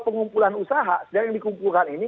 pengumpulan usaha sedang yang dikumpulkan ini